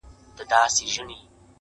o جام د میني راکړه,